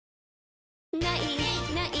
「ない！ない！